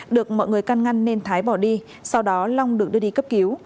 được mọi người căn ngăn nên thái bỏ đi sau đó long được đưa đi cấp cứu